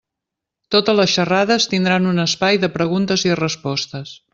Totes les xerrades tindran un espai de preguntes i respostes.